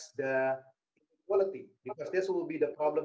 karena ini akan menjadi masalah di masa depan